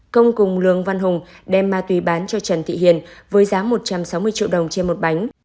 công cùng lương văn hùng đem ma túy bán cho trần thị hiền với giá một trăm sáu mươi triệu đồng trên một bánh